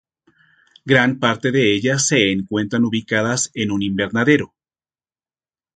Gran parte de ellas se encuentran ubicadas en un invernadero.